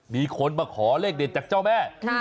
มีคนมาขอเลขเด็ดจากเจ้าแม่